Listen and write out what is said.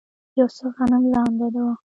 یو څه غنم لانده و.